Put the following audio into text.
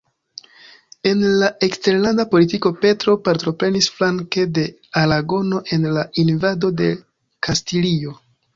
En la eksterlanda politiko, Petro partoprenis flanke de Aragono en la invado de Kastilio.